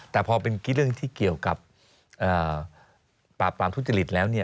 แต่พอเป็นเรื่องที่เกี่ยวกับปราบปรามทุจริตแล้ว